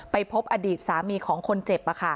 พบอดีตสามีของคนเจ็บ